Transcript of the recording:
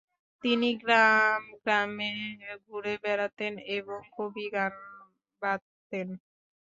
তিনি গ্রাম গ্রামে ঘুরে বেড়াতেন এবং কবিগান বাঁধতেন।